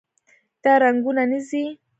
دا رنګونه نه ځي.